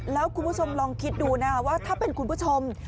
แล้วคุณผู้ชมลองคิดดูนะว่าถ้าเป็นคุณผู้ชม